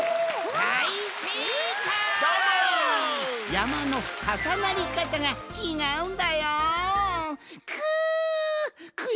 やまのかさなりかたがちがうんだよん。